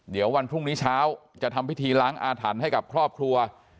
เดี๋ยววันพรุ่งนี้เช้าจะทำพิธีล้างอาถรรพ์ให้กับครอบครัว